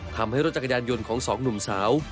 ทำให้รถจักรยานยนต์ของสองหนุ่มสาว